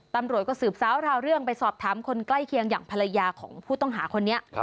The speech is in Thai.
ตำรวจก็สืบสาวราวเรื่องไปสอบถามคนใกล้เคียงอย่างภรรยาของผู้ต้องหาคนนี้